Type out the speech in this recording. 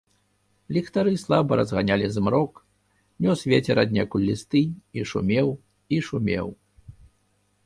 Ліхтары слаба разганялі змрок, нёс вецер аднекуль лісты і шумеў і шумеў.